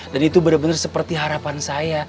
dan itu bener bener seperti harapan saya